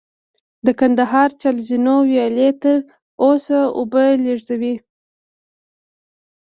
د کندهار چل زینو ویالې تر اوسه اوبه لېږدوي